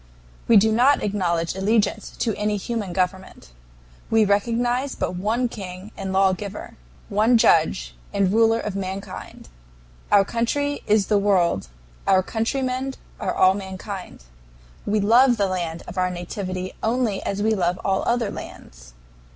"We do not acknowledge allegiance to any human government. We recognize but one King and Lawgiver, one Judge and Ruler of mankind. Our country is the world, our countrymen are all mankind. We love the land of our nativity only as we love all other lands.